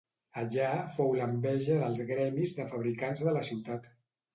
Allà fou l'enveja dels gremis de fabricants de la ciutat.